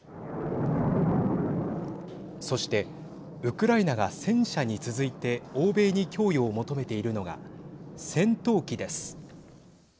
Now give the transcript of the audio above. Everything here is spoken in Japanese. そしてウクライナが戦車に続いて欧米に供与を求めているのが戦闘機です。